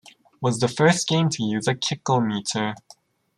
Was the first game to use a kickometer.